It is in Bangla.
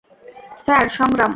স্যার, সংগ্রাম।